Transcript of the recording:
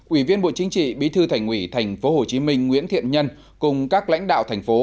ủy viên bộ chính trị bí thư thành ủy tp hcm nguyễn thiện nhân cùng các lãnh đạo thành phố